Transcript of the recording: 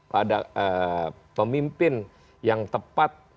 pada pemimpin yang tepat